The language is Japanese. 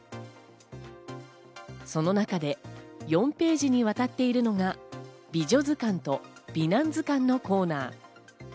その中で４ページにわたっているのが、美女図鑑と美男図鑑のコーナー。